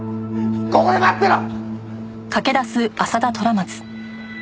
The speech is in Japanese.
ここで待ってろ！